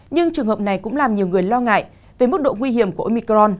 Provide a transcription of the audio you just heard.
nhưng trường hợp này cũng làm nhiều người lo ngại về mức độ nguy hiểm của omicron